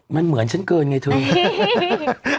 มันเหมือนฉันเกินไงทุกอย่าง